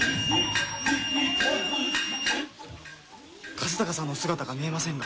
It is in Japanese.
和鷹さんの姿が見えませんが。